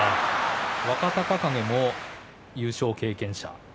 若隆景も優勝経験者。